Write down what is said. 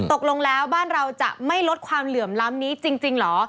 ตกลงแล้วบ้านเราจะไม่ลดความเหลื่อมล้ำนี้จริงเหรอ